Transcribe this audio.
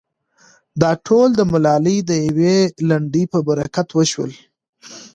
دا ټول د ملالې د يوې لنډۍ په برکت وشول.